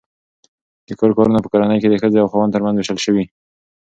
د کور کارونه په کورنۍ کې د ښځې او خاوند ترمنځ وېشل شوي.